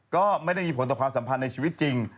ก็ไม่ได้มีผลต่อความสัมพันธ์ในชีวิตจริง